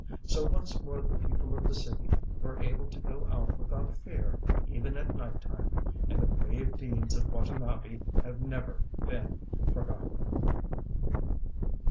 So once more the people of the city were able to go out without fear even at night time, and the brave deeds of Watanabe have never been forgotten!